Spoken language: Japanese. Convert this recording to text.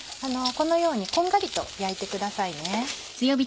このようにこんがりと焼いてくださいね。